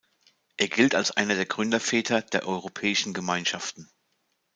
Er gilt als einer der Gründerväter der Europäischen Gemeinschaften.